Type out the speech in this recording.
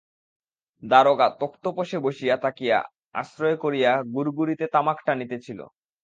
দারোগা তক্তপোশে বসিয়া তাকিয়া আশ্রয় করিয়া গুড়গুড়িতে তামাক টানিতেছিল।